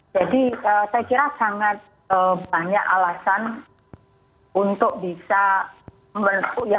jadi saya kira sangat banyak alasan untuk bisa yang bisa dipakai untuk untuk membuat perubahan